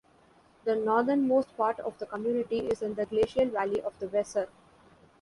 The northernmost part of the community is in the glacial valley of the Weser.